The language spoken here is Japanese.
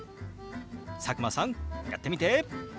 佐久間さんやってみて！